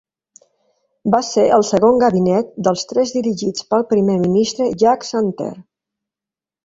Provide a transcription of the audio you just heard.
Va ser el segon gabinet dels tres dirigits pel primer ministre Jacques Santer.